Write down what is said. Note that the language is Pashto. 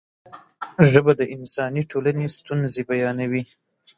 ژبه د انساني ټولنې ستونزې بیانوي.